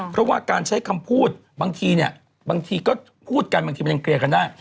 เพราะว่าการใช้คำพูดบางทีเนี่ยบางทีก็พูดกันบางทีมันยังเคลียร์กันได้